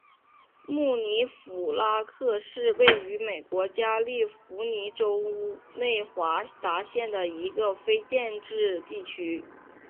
穆尼弗拉特是位于美国加利福尼亚州内华达县的一个非建制地区。